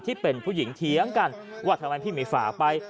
ที่เป็นผู้หญิงเถียงกันว่าทำไมพี่มีฝาไป